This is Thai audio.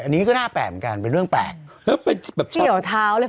อันนี้ก็น่าแปลกเหมือนกันเป็นเรื่องแปลกแล้วเป็นแบบเฉียวเท้าเลย